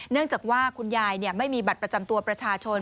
เนื่องจากว่าคุณยายไม่มีบัตรประจำตัวประชาชน